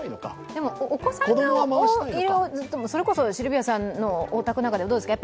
でも、お子さんがいる、それこそシルビアさんのご家庭はどうですか？